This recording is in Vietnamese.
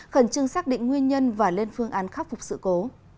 khẩn trương xác định nguyên nhân và lên phương án khắc phục sự cố